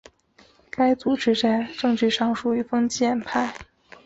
该组织在政治上属于建制派。